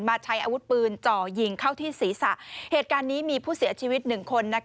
ใช้อาวุธปืนจ่อยิงเข้าที่ศีรษะเหตุการณ์นี้มีผู้เสียชีวิตหนึ่งคน